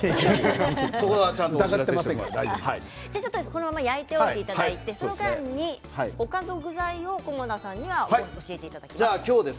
このまま焼いておいていただいて、他の具材を菰田さんに教えていただきます。